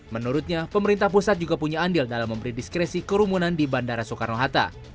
menurutnya pemerintah pusat juga punya andil dalam memberi diskresi kerumunan di bandara soekarno hatta